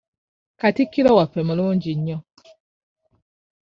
Katikkiro waffe mulungi nnyo.